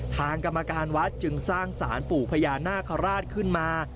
ทางกรรมการวัดจึงสร้างสารปู่พญานาคาราชขึ้นมา